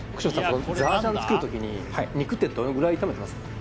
この炸醤作る時に肉ってどのぐらい炒めてますか？